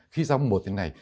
khi giao mùa thế này